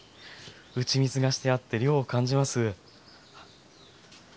打ち水がしてあって涼を感じます。